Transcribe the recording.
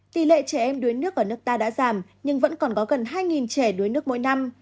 tỷ lệ trẻ em đuối nước ở nước ta đã giảm nhưng vẫn còn có gần hai trẻ đuối nước mỗi năm